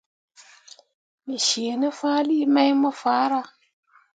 Me cii ne fahlii mai mo farah.